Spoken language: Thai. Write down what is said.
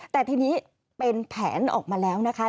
แต่ทีนี้เป็นแผนออกมาแล้วนะคะ